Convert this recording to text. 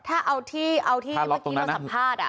ถ้าเอาที่เอาที่เมื่อกี้เราสัมภาษณ์อ่ะ